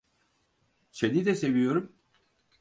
Seni de seviyorum.